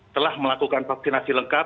telah melakukan vaksinasi lengkap